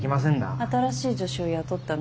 新しい助手を雇ったの？